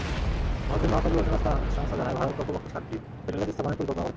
ভারতের মহাকাশ গবেষণা সংস্থা জানায়, ভারত কক্ষপথে সাতটি স্যাটেলাইট স্থাপনের পরিকল্পনা করেছে।